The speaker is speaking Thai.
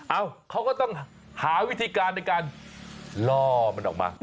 เอ้าเขาก็ต้องหาวิธีการในการล่อมันออกมา